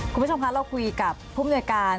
คุณผู้ชมคะเราคุยกับผู้มนวยการ